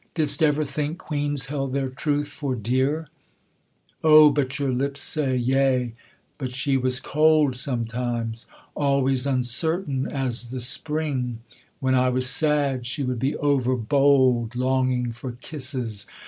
Didst ever think queens held their truth for dear? O, but your lips say: Yea, but she was cold Sometimes, always uncertain as the spring; When I was sad she would be overbold, Longing for kisses.